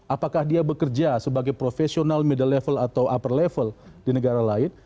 apakah dia bekerja sebagai profesional middle level atau upper level di negara lain